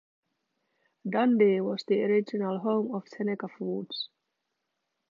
Dundee was the original home of Seneca Foods.